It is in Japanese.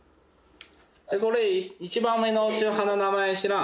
これ１番目の花の名前知らん？